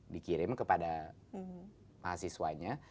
dikirim kepada mahasiswanya